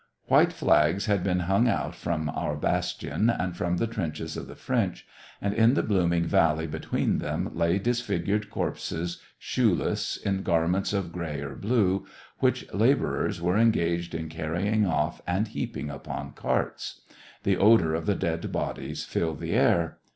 115 XVI. White flags had been hung out from our bastion, and from the trenches of the French, and in the blooming valley between them lay disfigured corpses, shoeless, in garments of gray or blue, which laborers were engaged in carry ing off and heaping upon carts. The odor of the dead bodies filled the air.